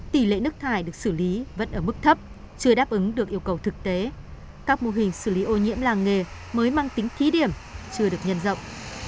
tỷ lệ nước thải được xử lý vẫn ở mức thấp chưa đáp ứng được yêu cầu thực tế các mô hình xử lý ô nhiễm làng nghề mới mang tính thí điểm chưa được nhân rộng